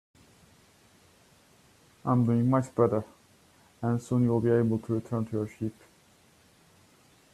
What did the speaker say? I'm doing much better, and soon you'll be able to return to your sheep.